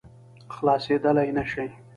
خلاصېدلای نه شي.